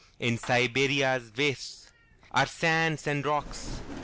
In Siberia's wastesAre sands and rocks.